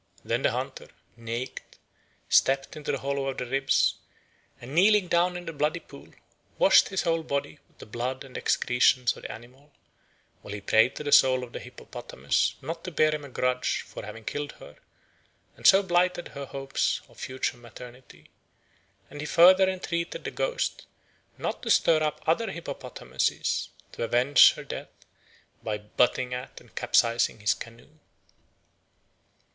Then the hunter, naked, stepped into the hollow of the ribs, and kneeling down in the bloody pool washed his whole body with the blood and excretions of the animal, while he prayed to the soul of the hippopotamus not to bear him a grudge for having killed her and so blighted her hopes of future maternity; and he further entreated the ghost not to stir up other hippopotamuses to avenge her death by butting at and capsizing his canoe.